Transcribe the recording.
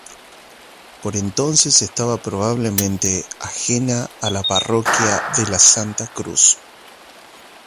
Por entonces estaba probablemente aneja a la Parroquia de la Santa Cruz.